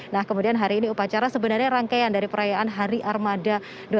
nah kemudian hari ini upacara sebenarnya rangkaian dari perayaan hari armada dua ribu dua puluh satu